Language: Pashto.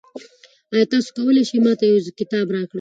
آیا ته کولای شې ما ته یو کتاب راکړې؟